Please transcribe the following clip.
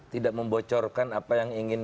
tidak membocorkan apa yang ingin